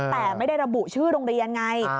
แต่ไม่ได้ระบุชื่อโรงเรียนไง